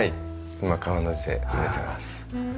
今川の字で寝てます。